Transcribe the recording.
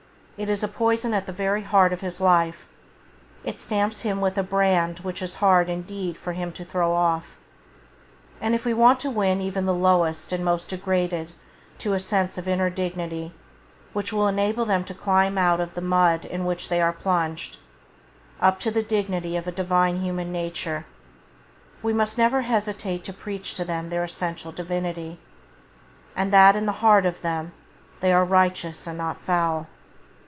It is a poison at the very heart of his life; it stamps him with a brand which it is hard indeed for him to throw off; and if we want to win even the lowest and most degraded to a sense of inner dignity, which will enable them to climb out of the mud in which they are plunged, up to the dignity of a Divine human nature, we must never [Page 6] hesitate to preach to them their essential Divinity, and that in the heart of them they are righteous and not foul.